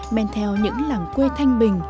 men theo những làng quê thanh bình